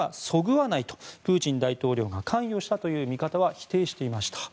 今回の件ですがプーチン氏にはそぐわないとプーチン大統領が関与したという見方は否定していました。